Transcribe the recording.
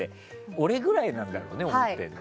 俺ぐらいなんだろうね思ってるの。